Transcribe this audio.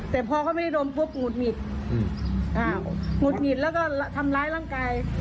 แต่พอเขาไม่ได้ดมปุ๊บหงุดหงิดหงุดหงิดแล้วก็ทำร้ายร่างกาย